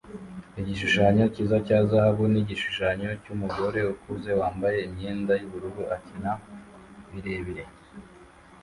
Igishushanyo cyiza cya zahabu nigishushanyo cyumugore ukuze wambaye imyenda yubururu akina birebire